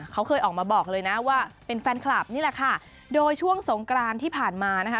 เขาเคยออกมาบอกเลยนะว่าเป็นแฟนคลับนี่แหละค่ะโดยช่วงสงกรานที่ผ่านมานะคะ